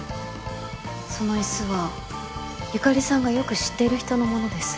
その椅子は由香里さんがよく知っている人のものです。